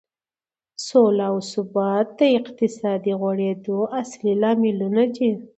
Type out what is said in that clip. سوله او ثبات د اقتصادي غوړېدو اصلي لاملونه دي.